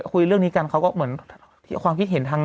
คุยเรื่องนี้กันเขาก็เหมือนว่านะ